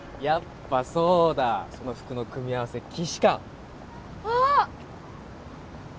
やっぱそうだその服の組み合わせ既視感あっ！